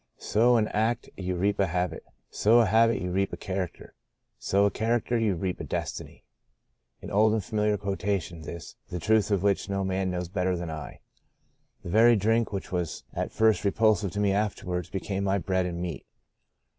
* Sow an act you reap a habit; sow a habit you reap a character; sow a character, you reap a destiny '— an old and familiar quotation this, the truth of which no man knows better than I. The very drink which was at first repulsive to me afterwards became my bread and meat.